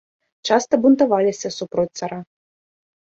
Часта бунтаваліся супроць цара.